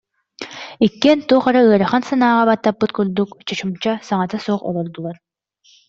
Иккиэн туох эрэ ыарахан санааҕа баттаппыт курдук чочумча саҥата суох олордулар